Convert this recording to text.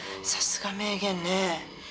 さすが名言ねえ。